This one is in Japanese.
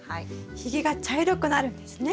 ひげが茶色くなるんですね。